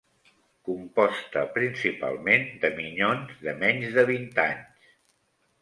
Composta principalment de minyons de menys de vint anys.